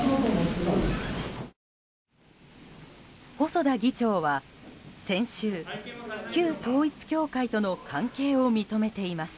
細田議長は先週旧統一教会との関係を認めています。